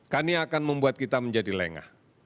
karena ini akan membuat kita menjadi lengah